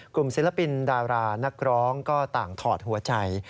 ศิลปินดารานักร้องก็ต่างถอดหัวใจ